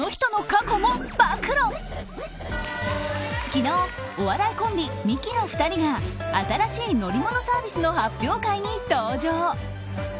昨日、お笑いコンビミキの２人が新しい乗り物サービスの発表会に登場。